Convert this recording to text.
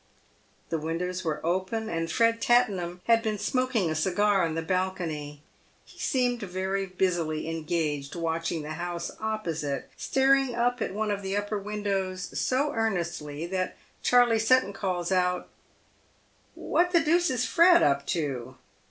The windows were open, and Fred Tattenham had been smoking a cigar on the balcony. He seemed very busily engaged watching the house opposite, staring up at one of the upper windows so earnestly, that Charley Sutton calls out, "What the deuce is Fred up to?"